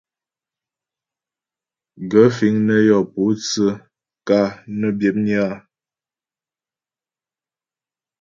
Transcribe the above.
Gaə̂ fíŋ nə́ yɔ́ pótsə́ ka nə́ byə̌pnyə́ a ?